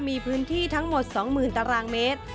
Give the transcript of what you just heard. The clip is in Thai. มีพื้นที่ทั้งหมด๒๐๐๐ตารางเมตร